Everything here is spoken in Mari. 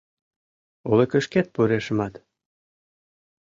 Олыкышкет пурышымат -